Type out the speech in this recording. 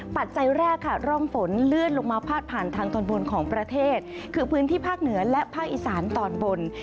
ปัจจัยแรกค่ะร่องฝนเลื่อนลงมาพาดผ่านทางตอนบนของประเทศคือพื้นที่ภาคเหนือและภาคอีสานตอนบน